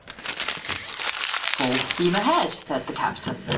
"Full steam ahead," said the captain.